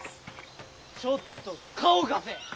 ちょっと顔貸せ。